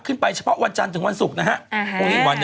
ขึ้นไปเฉพาะวันจันทร์ถึงวันศุกร์นะครับ